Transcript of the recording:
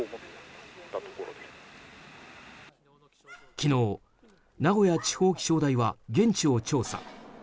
昨日、名古屋地方気象台は現地を調査。